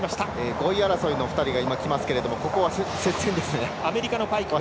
５位争いの２人ですけどもここは接戦ですが。